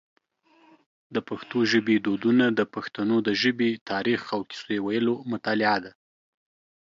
د پښتو ژبی دودونه د پښتنو د ژبی تاریخ او کیسې ویلو مطالعه ده.